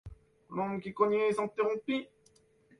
L’homme qui cognait s’interrompit.